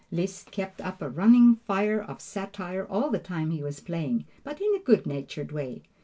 Liszt kept up a running fire of satire all the time he was playing, but in a good natured way.